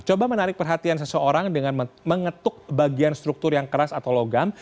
coba menarik perhatian seseorang dengan mengetuk bagian struktur yang keras atau logam